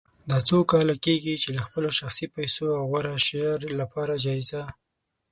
دا څو کاله کېږي چې له خپلو شخصي پیسو د غوره شعر لپاره جایزه